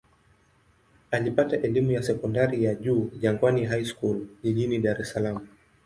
Alipata elimu ya sekondari ya juu Jangwani High School jijini Dar es Salaam.